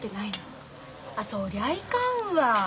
あそりゃいかんわ。